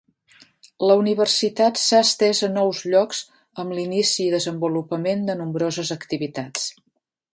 La universitat s'ha estès a nous llocs amb l'inici i desenvolupament de nombroses activitats.